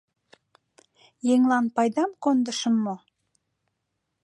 Еҥлан пайдам кондышым мо?».